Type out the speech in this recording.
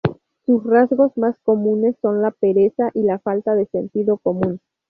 Sus rasgos más comunes son la pereza y la falta de sentido común.